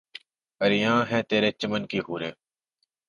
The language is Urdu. عریاں ہیں ترے چمن کی حوریں